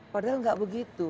padahal gak begitu